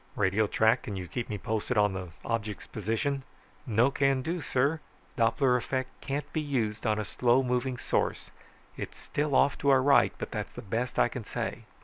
Radio track, can you keep me posted on the object's position?" "No can do, sir. Doppler effect can't be used on a slow moving source. It's still off to our right, but that's the best I can say."